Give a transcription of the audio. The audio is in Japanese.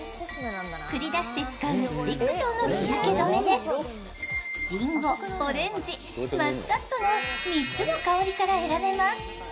繰り出して使うスティック状の日焼け止めでりんご、オレンジ、マスカットの３つの香りから選べます。